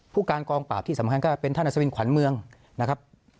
ผู้การกองปราบที่สำคัญก็เป็นท่านอัศวินขวัญเมืองนะครับ